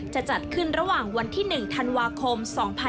จะจัดขึ้นระหว่างวันที่๑ธันวาคม๒๕๖๒